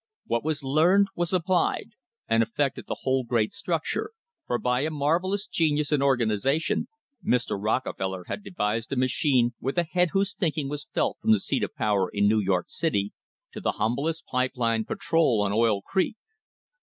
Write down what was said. What was learned was applied, and affected the whole great structure, for by a marvellous genius in organisation Mr. Rockefeller had devised a machine with a head whose thinking was felt from the seat of power in New York City to the humblest pipe line patrol on Oil Creek.